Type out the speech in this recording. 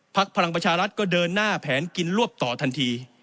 พลังประชารัฐก็เดินหน้าแผนกินรวบต่อทันที